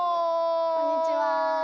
こんにちは。